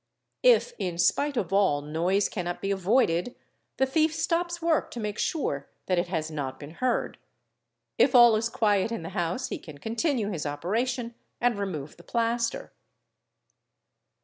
If in spite of all noise cannot be avoided, the thief stops work to make sure that it has not been heard; if all is quiet in the house he can continue his operation and remove the plaster.